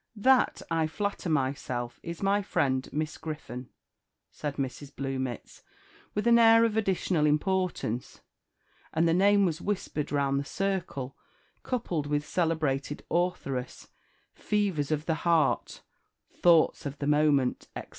"That, I flatter myself, is my friend Miss Griffon," said Mrs. Bluemits, with an air of additional importance; and the name was whispered round the circle, coupled with "Celebrated Authoress 'Fevers of the Heart' 'Thoughts of the Moment,'" etc.